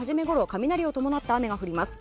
雷を伴った雨が降ります。